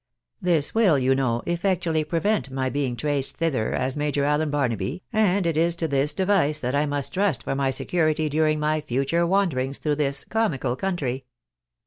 This will, you know, effectually prevent my being traced thither as Major AUen Barnaby, and it is to this device that I must trust for my security during my future wanderings through this comical country.